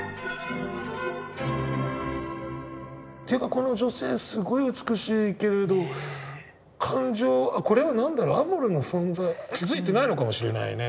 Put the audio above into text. この女性すごい美しいけれど感情あっこれは何だろうアモルの存在気付いていないのかもしれないね。